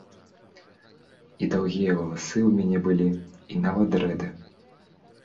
І даўгія валасы ў мяне былі, і нават дрэды.